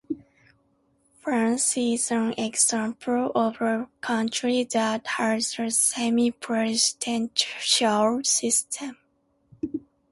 France is an example of a country that has a semi-presidential system.